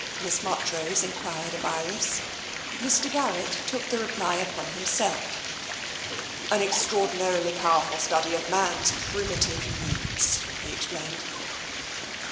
Miss Marchrose enquired of Iris. Mr. Garrett took the reply upon himself. " An ex traordinarily powerful study of man's primitive needs," he explained.